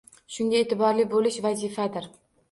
Shunga e’tiborli bo‘lish vazifadir.